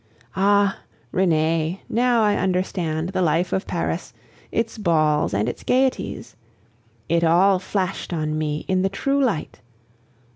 Ah! Renee, now I understand the life of Paris, its balls, and its gaieties. It all flashed on me in the true light.